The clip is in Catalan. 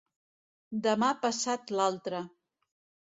Demà passat l'altre.